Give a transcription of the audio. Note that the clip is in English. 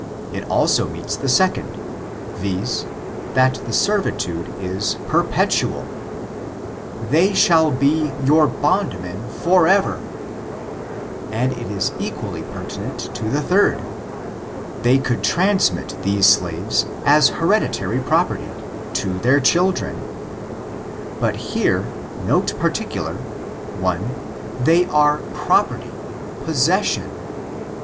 It also meets the second, viz: that the servitude b perpetual, "they shall be your bondmen Jor ever — Le OlaumJ' And it is equaUy pertinent to the third. They ^^i^k^l#^ ON ABOLITIONISM. 523 could transmit these slaves* as hereditary property, to their children. But, here, note particular: 1. They aro property^ '* possession."